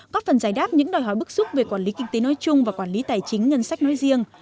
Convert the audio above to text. có phần giải đáp những đòi hỏi bức xúc về quản lý kinh tế nói chung và quản lý tài chính ngân sách nói riêng